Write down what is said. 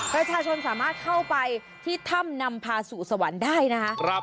ประชาชนสามารถเข้าไปที่ถ้ำนำพาสู่สวรรค์ได้นะคะ